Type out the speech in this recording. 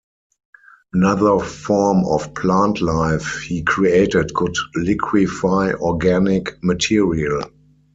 Another form of plant life he created could liquify organic material.